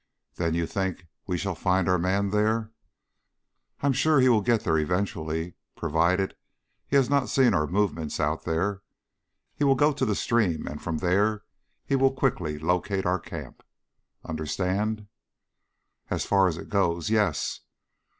"Then you think we shall find our man there?" "I am sure he will get there eventually, provided he has not seen our movements out there. He will go to the stream and from there he will quickly locate our camp. Understand?" "As far as it goes, yes.